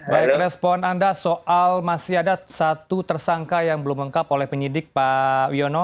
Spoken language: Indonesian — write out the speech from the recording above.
baik respon anda soal masih ada satu tersangka yang belum lengkap oleh penyidik pak wiono